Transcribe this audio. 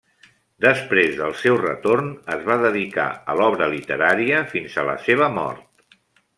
Després del seu retorn, es va dedicar a l'obra literària fins a la seva mort.